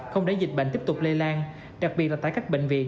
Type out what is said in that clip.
không để dịch bệnh tiếp tục lây lan đặc biệt là tại các bệnh viện